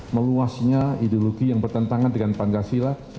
meluasnya ideologi yang bertentangan dengan pancasila